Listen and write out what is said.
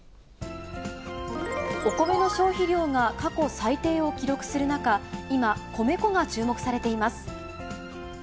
お米の消費量が過去最低を記録する中、今、米粉が注目されています。